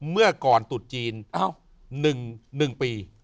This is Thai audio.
เมื่อก่อนตุดจีน๑ปี